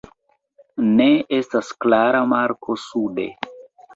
Ne estas klara marko sude.